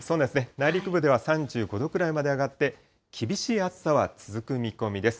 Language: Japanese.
内陸部では３５度くらいまで上がって、厳しい暑さは続く見込みです。